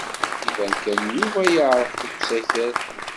Iban kan Yuba yeɛreq deg usakal.